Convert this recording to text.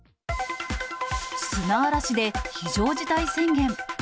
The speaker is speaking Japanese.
砂嵐で非常事態宣言。